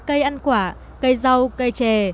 cây ăn quả cây rau cây chè